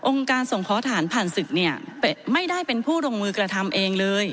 การส่งเคาะฐานผ่านศึกเนี่ยไม่ได้เป็นผู้ลงมือกระทำเองเลย